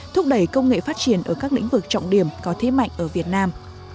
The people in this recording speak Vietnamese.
thúc đẩy công nghệ phát triển ở các lĩnh vực trọng điểm có thế mạnh ở việt nam